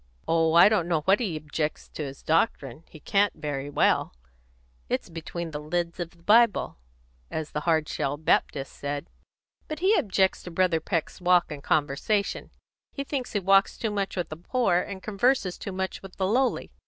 "Oh, I don't know that he objects to his doctrine; he can't very well; it's 'between the leds of the Bible,' as the Hard shell Baptist said. But he objects to Brother Peck's walk and conversation. He thinks he walks too much with the poor, and converses too much with the lowly.